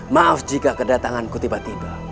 maaf jika kedatanganku tiba tiba